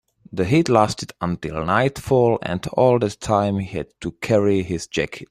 The heat lasted until nightfall, and all that time he had to carry his jacket.